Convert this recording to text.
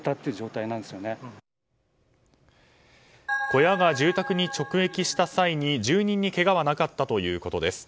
小屋が住宅に直撃した際に住人にけがはなかったということです。